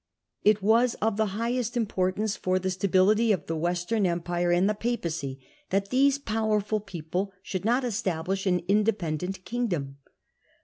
It was of the highest importance for the stability of the Western Empire and of the Papacy that these powerful people should not establish an independent kingdom.